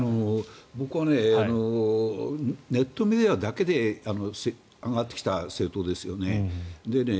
僕はネットメディアだけで上がってきた政党ですよね。